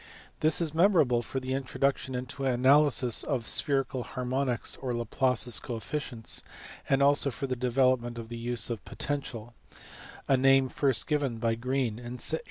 TJiis is memorable for the introduction into analysis of spherical harmonics or Laplace s coefficients, and also for the development of the use of the potential ; a name first given by Green in 1828.